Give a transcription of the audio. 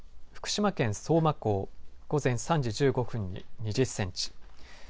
福島県相馬港午前３時１５分に２０センチ